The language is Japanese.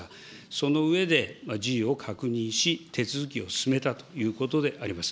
その上で、辞意を確認し、手続きを進めたということであります。